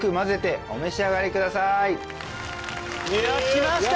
来ました！